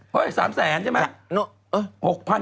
เฮ้ย๓แสนใช่ไหม